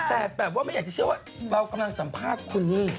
แต่แบบว่าไม่อยากจะเชื่อว่าเรากำลังสัมภาษณ์คุณนี่